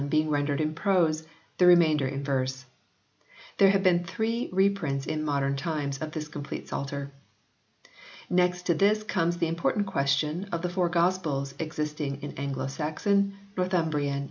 being rendered in prose, the remainder in verse. There have been three reprints in modern times of this complete Psalter. Next to this comes the important question of the Four Gospels existing in Anglo Saxon, Northumbrian e nap io *furtift0<j tmc t c li ivr \A J